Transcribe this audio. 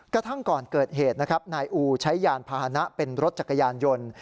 กระทั่งก่อนเกิดเหตุนะครับนายอูใช้ยานพาหนะเป็นรถจักรยานยนต์